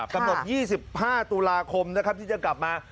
กำหนด๒๕ตุลาคมนะครับที่จะกลับมา